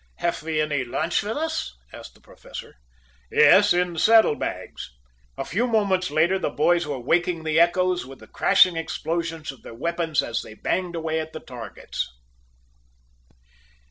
"Have we any lunch with us?" asked the Professor. "Yes, in the saddle bags." A few moments later the boys were waking the echoes with the crashing explosions of their weapons as they banged away at the targets.